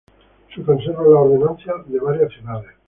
Se conservan las ordenanzas de varias ciudades.